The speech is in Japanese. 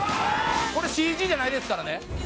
これＣＧじゃないですからね。